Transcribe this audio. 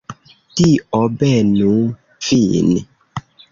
Dio benu vin.